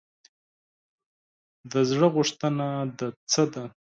د زړه غوښتنه دې څه ده ؟